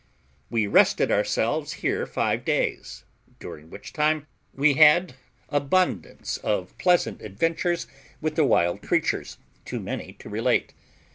We rested ourselves here five days; during which time we had abundance of pleasant adventures with the wild creatures, too many to relate.